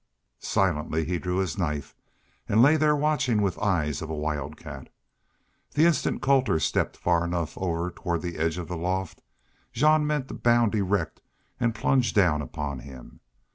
Silently he drew his knife and lay there watching with the eyes of a wildcat. The instant Colter stepped far enough over toward the edge of the loft Jean meant to bound erect and plunge down upon him.